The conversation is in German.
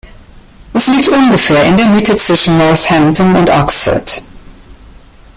Es liegt ungefähr in der Mitte zwischen Northampton und Oxford.